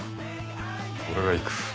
俺が行く。